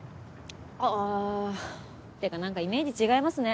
ああ！っていうかなんかイメージ違いますね。